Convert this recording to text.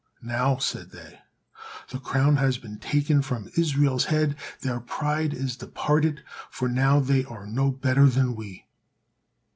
"Now," said they, "the crown has been taken from Israel's head, their pride is departed, for now they are no better then we."